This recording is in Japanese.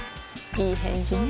いい返事ね